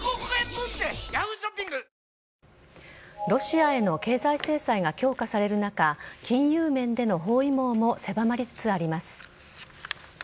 ロシアへの経済制裁が強化される中、金融面での包囲網も狭まりつつあります。